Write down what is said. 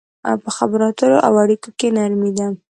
په خبرو اترو او اړيکو کې نرمي ده.